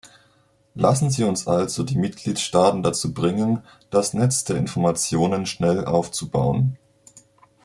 Lassen Sie uns also die Mitgliedstaaten dazu bringen, das Netz der Informationen schnell aufzubauen.